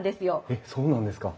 えっそうなんですか？